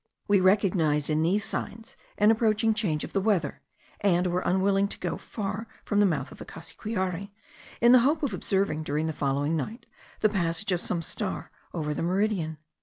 We recognized in these signs an approaching change of the weather; and were unwilling to go far from the mouth of the Cassiquiare, in the hope of observing during the following night the passage of some star over the meridian.